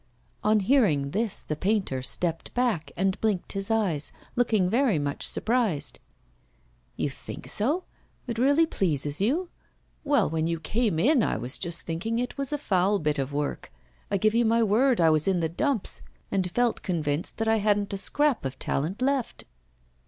On hearing this the painter stepped back and blinked his eyes, looking very much surprised. 'You think so? It really pleases you? Well, when you came in I was just thinking it was a foul bit of work. I give you my word, I was in the dumps, and felt convinced that I hadn't a scrap of talent left.